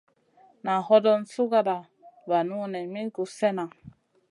Naʼ hodon suguda vanu nen min guss slena.